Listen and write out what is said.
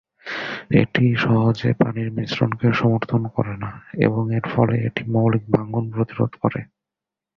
এটি সহজে পানির মিশ্রণকে সমর্থন করে না, এবং এর ফলে এটি মৌলিক ভাঙ্গন প্রতিরোধ করে।